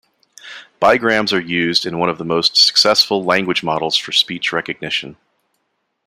Bigrams are used in one of the most successful language models for speech recognition.